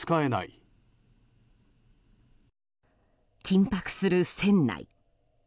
緊迫する船内。